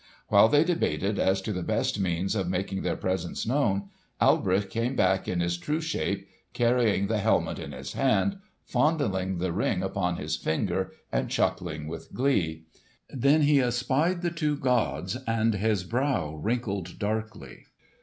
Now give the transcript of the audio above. While they debated as to the best means of making their presence known, Alberich came back in his true shape, carrying the helmet in his hand, fondling the Ring upon his finger and chuckling with glee. Then he espied the two gods, and his brow wrinkled darkly.